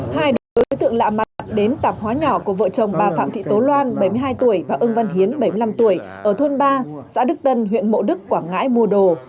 hai đối tượng lạ mặt đến tạp hóa nhỏ của vợ chồng bà phạm thị tố loan bảy mươi hai tuổi và ông văn hiến bảy mươi năm tuổi ở thôn ba xã đức tân huyện mộ đức quảng ngãi mua đồ